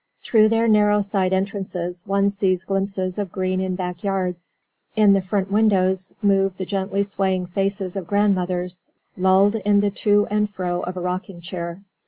Through their narrow side entrances one sees glimpses of green in backyards. In the front windows move the gently swaying faces of grandmothers, lulled in the to and fro of a rocking chair.